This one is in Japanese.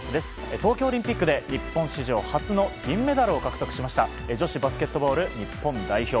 東京オリンピックで日本史上初の銀メダルを獲得しました女子バスケットボール日本代表。